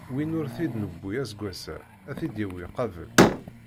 Win ur t-id-newwi aseggas-a, ad t-id-yawi qabel.